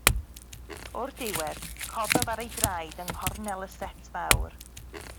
O'r diwedd, cododd ar ei draed yng nghornel y set fawr.